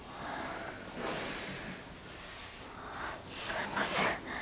すいません。